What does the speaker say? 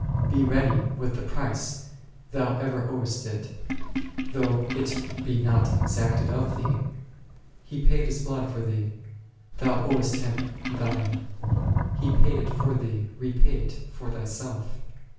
Be ready with the price ; thou ever owest it, though it be not exacted of thee : He paid His blood for thee, thou owest Him thine ; He paid it for thee, repay it for thyself.